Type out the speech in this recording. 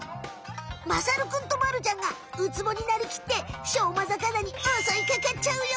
まさるくんとまるちゃんがウツボになりきってしょうま魚におそいかかっちゃうよ。